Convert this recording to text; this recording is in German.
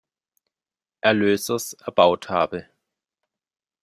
Erlösers erbaut habe.